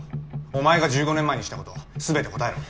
お前が１５年前にしたこと全て答えろ。